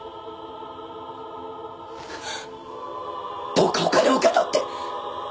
どうかお金を受け取って！